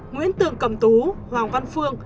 nguyễn tường cầm tú hoàng văn phương